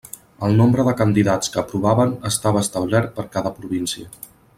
El nombre de candidats que aprovaven estava establert per cada província.